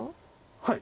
はい？